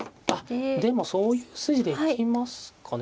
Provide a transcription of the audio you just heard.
でもそういう筋で行きますかね。